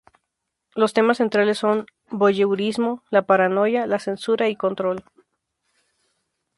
Los temas centrales son "voyeurismo, la paranoia, la censura y control".